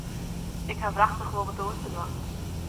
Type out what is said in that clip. Ik haw wrachtich wol wat oars te dwaan.